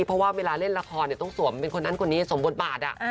เพราะว่าเวลาเล่นละครต้องสวมเป็นคนนั้นคนนี้สวมบทบาท